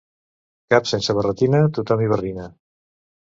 Cap sense barretina, tothom hi barrina.